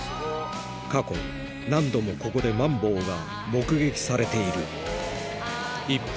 過去何度もここでマンボウが目撃されている一方